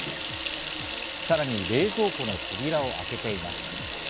さらに冷蔵庫の扉を開けています。